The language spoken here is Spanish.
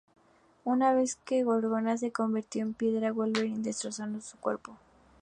Una vez que la Gorgona se convirtió en piedra, Wolverine destrozó su cuerpo.